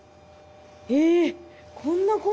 えっ！